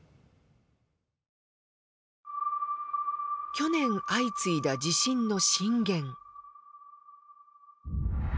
去年相次いだ地震の震源。